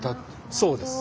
そうです。